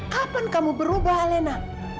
kapan kamu berubah alena